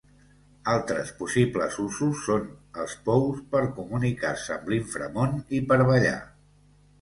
Altres possibles usos són els pous, per comunicar-se amb l'inframón i per ballar.